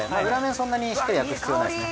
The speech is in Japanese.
そんなにしっかり焼く必要ないですね。